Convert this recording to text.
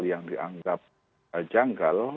yang dianggap janggal